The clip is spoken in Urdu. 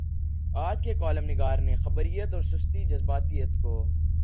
آج کے کالم نگار نے خبریت اورسستی جذباتیت کو